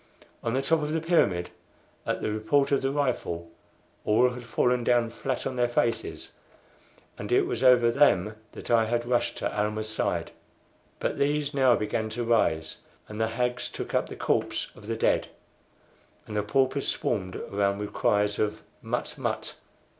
On the top of the pyramid, at the report of the rifle, all had fallen down flat on their faces, and it was over them that I had rushed to Almah's side. But these now began to rise, and the hags took up the corpse of the dead, and the paupers swarmed around with cries of "Mut!